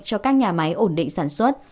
cho các nhà máy ổn định sản xuất